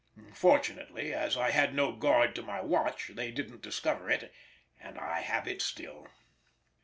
Fortunately, as I had no guard to my watch, they didn't discover it, and I have it still.